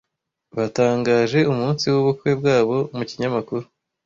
Batangaje umunsi w'ubukwe bwabo mu kinyamakuru.